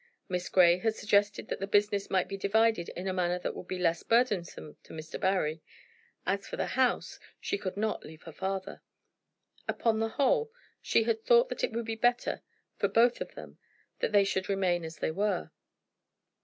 Miss Grey had suggested that the business might be divided in a manner that would be less burdensome to Mr. Barry. As for the house, she could not leave her father. Upon the whole, she had thought that it would be better for both of them that they should remain as they were.